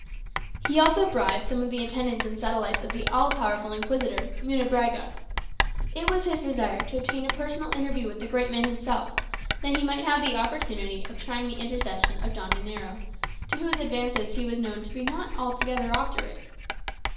He also bribed some of the attendants and satellites of the all powerful Inquisitor, Munebrãga. It was his desire to obtain a personal interview with the great man himself, that he might have the opportunity of trying the intercession of Don Dinero, to whose advances he was known to be not altogether obdurate.